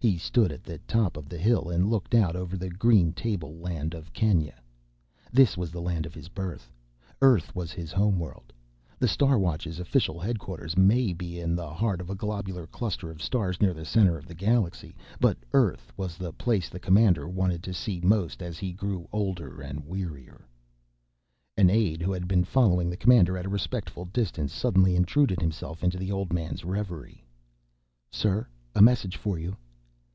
He stood at the top of the hill and looked out over the green tableland of Kenya. This was the land of his birth, Earth was his homeworld. The Star Watch's official headquarters may be in the heart of a globular cluster of stars near the center of the galaxy, but Earth was the place the commander wanted most to see as he grew older and wearier. An aide, who had been following the commander at a respectful distance, suddenly intruded himself in the old man's reverie. "Sir, a message for you."